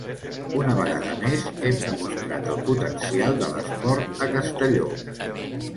Una vegada més hem demostrat el potencial de l’esport a Castelló.